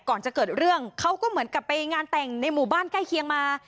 ก่อนจะเกิดเรื่องเขาก็เหมือนกับไปงานแต่งในหมู่บ้านใกล้เคียงมา